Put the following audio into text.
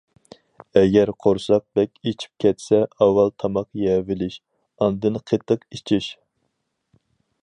ئەگەر قورساق بەك ئېچىپ كەتسە ئاۋۋال تاماق يەۋېلىش، ئاندىن قېتىق ئىچىش.